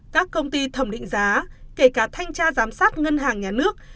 các công ty thẩm định giá kể cả thanh tra giám sát ngân hàng nhà nước